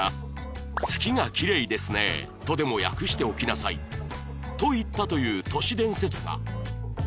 “月がきれいですね”とでも訳しておきなさい」と言ったという都市伝説的な逸話が